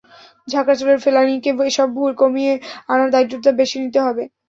ঝাঁকড়া চুলের ফেলাইনিকে এসব ভুল কমিয়ে আনার দায়িত্বটা বেশি নিতে হবে।